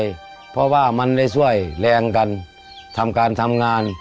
เพราะว่ามันได้ช่วยแรงกันทำการทำงาน